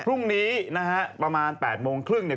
พรุ่งนี้นะฮะประมาณ๘โมงครึ่งเนี่ย